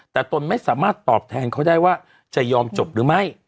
แต่ตนไม่สามารถตอบแทนเขาได้ว่าจะยอมจบหรือไม่